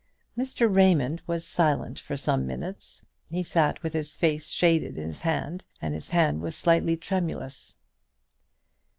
Mr. Raymond was silent for some minutes; he sat with his face shaded with his hand, and the hand was slightly tremulous.